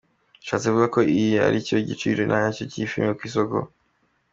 Bishatse kuvuga ko iki aricyo giciro nyacyo cy’iyi filime ku isoko.